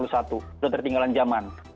sudah tertinggalan zaman